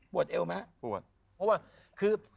พอว่าคือ